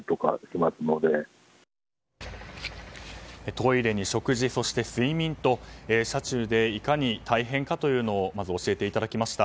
トイレに食事、睡眠と車中でいかに大変かというのをまず教えていただきました。